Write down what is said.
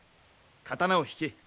刀を引け。